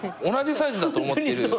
同じサイズだと思ってる。